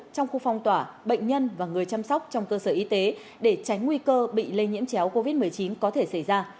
trong khu phong tỏa bệnh nhân và người chăm sóc trong cơ sở y tế để tránh nguy cơ bị lây nhiễm chéo covid một mươi chín có thể xảy ra